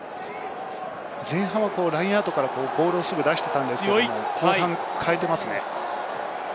前半はラインアウトからボールをすぐ出していたんですけれど後半は変えていますね。